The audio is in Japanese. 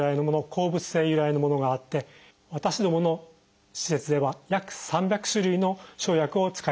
鉱物性由来のものがあって私どもの施設では約３００種類の生薬を使い分けております。